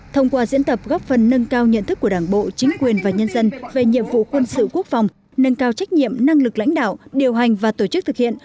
thông qua diễn tập góp phần nâng cao nhận thức của đảng bộ chính quyền và nhân dân về nhiệm vụ quân sự quốc phòng nâng cao trách nhiệm năng lực lãnh đạo điều hành và tổ chức thực hiện